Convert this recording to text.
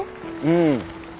うん。